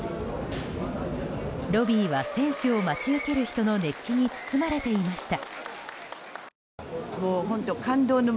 ロビーは選手を待ち受ける人の熱気に包まれていました。